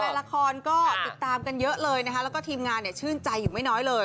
แฟนละครก็ติดตามกันเยอะเลยนะคะแล้วก็ทีมงานเนี่ยชื่นใจอยู่ไม่น้อยเลย